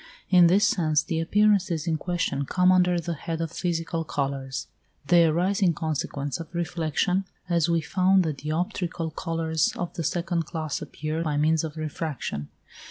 In this sense the appearances in question come under the head of physical colours. They arise in consequence of reflection, as we found the dioptrical colours of the second class appear by means of refraction.